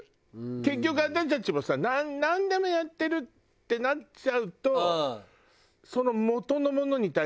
結局私たちもさなんでもやってるってなっちゃうと。